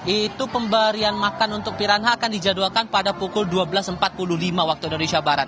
itu pemberian makan untuk piranha akan dijadwalkan pada pukul dua belas empat puluh lima waktu indonesia barat